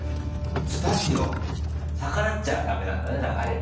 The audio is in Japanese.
逆らっちゃ駄目なんだね流れにね。